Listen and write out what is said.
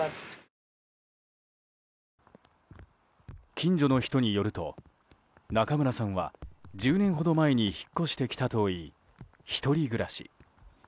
近所の人によると中村さんは１０年ほど前に引っ越してきたといい１人暮らし。